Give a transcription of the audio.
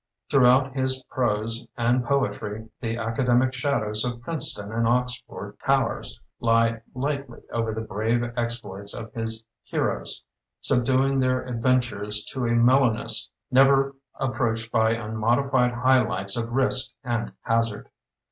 Throughout his prose and poetry the academic shadows of Princeton and Oxford towers lie light ly over the brave exploits of his he roes, subduing their adventures to a mellowness never approached by un modified high lights of risk and haz ard.